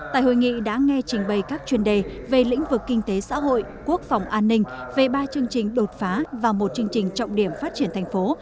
tại hội nghị đã nghe trình bày các chuyên đề về lĩnh vực kinh tế xã hội quốc phòng an ninh về ba chương trình đột phá và một chương trình trọng điểm phát triển thành phố